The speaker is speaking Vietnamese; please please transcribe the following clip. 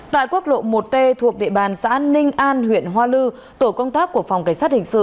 tại quốc lộ một t thuộc địa bàn xã ninh an huyện hoa lư tổ công tác của phòng cảnh sát hình sự